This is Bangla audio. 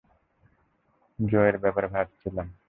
জোয়ের ব্যাপারে ভাবছিলাম!